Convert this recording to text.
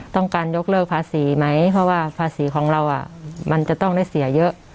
ต้องการยกเลิกภาษีไหมเพราะว่าภาษีของเรามันจะต้องได้เสียเยอะ